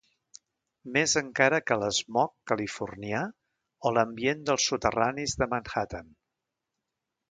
Més encara que l'smog californià o l'ambient dels soterranis de Manhattan.